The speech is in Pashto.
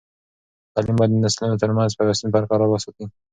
تعلیم باید د نسلونو ترمنځ پیوستون برقرار وساتي.